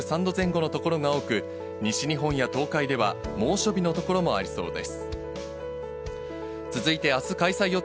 最高気温は３３度前後のところが多く西日本や東海では猛暑日のところもありそうです。